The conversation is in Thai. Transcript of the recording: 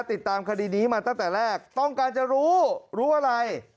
ติดตามคดีนี้มาตั้งแต่แรกต้องการจะรู้รู้อะไร